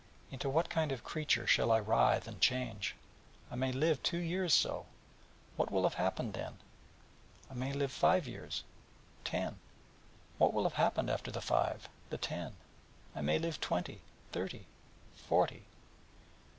Into what kind of creature shall I writhe and change? I may live two years so! What will have happened then? I may live five years ten! What will have happened after the five? the ten? I may live twenty, thirty, forty...'